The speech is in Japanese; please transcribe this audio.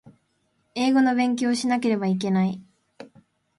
英語の勉強をしなければいけない